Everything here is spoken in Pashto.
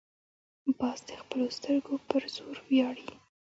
باز د خپلو سترګو پر زور ویاړي